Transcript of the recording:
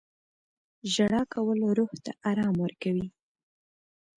• ژړا کول روح ته ارام ورکوي.